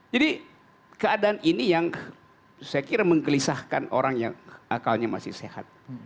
jadi keadaan ini yang saya kira menggelisahkan orang yang akalnya masih sehat